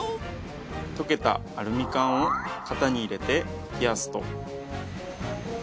溶けたアルミ缶を型に入れて冷やすと。